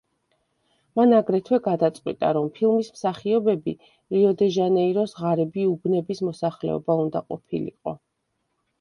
მან აგრეთვე გადაწყვიტა, რომ ფილმის მსახიობები რიო დე ჟანეიროს ღარიბი უბნების მოსახლეობა უნდა ყოფილიყო.